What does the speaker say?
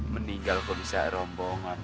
meninggal komisar rombongan